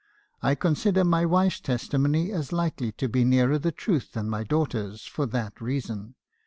I consider my wife's testimony as likely to be nearer the truth than my daughter's, for that reason.